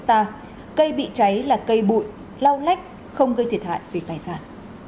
cây bị cháy là cây bụi lau lách không gây thiệt hại về tài sản